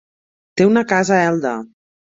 Té una casa a Elda.